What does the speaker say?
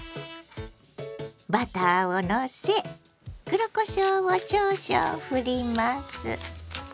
バターをのせ黒こしょうを少々ふります。